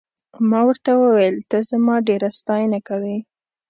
ما ورته وویل ته زما ډېره ستاینه کوې.